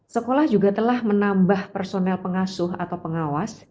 sekolah juga telah menambah personel pengasuh atau pengawas